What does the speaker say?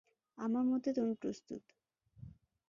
আমার মতে তুমি প্রস্তুত।